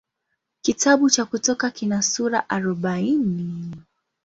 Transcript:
Kitabu cha Kutoka kina sura arobaini.